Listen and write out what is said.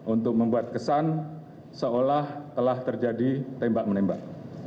untuk membuat kesan seolah telah terjadi tembak menembak